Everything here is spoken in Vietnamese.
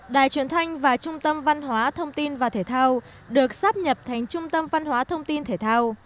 đài truyền thanh và trung tâm văn hóa thông tin và thể thao được sắp nhập thành trung tâm văn hóa thông tin thể thao